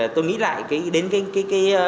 tôi nghĩ lại đến cái